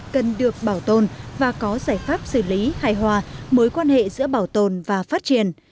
cần được bảo tồn và có giải pháp xử lý hài hòa mối quan hệ giữa bảo tồn và phát triển